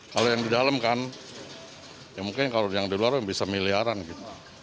kalau yang di dalam kan ya mungkin kalau yang di luar bisa miliaran gitu